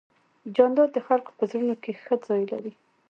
جانداد د خلکو په زړونو کې ښه ځای لري.